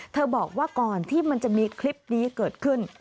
บอกว่าก่อนที่มันจะมีคลิปนี้เกิดขึ้น